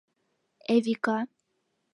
Эвика.